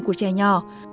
của trẻ nhỏ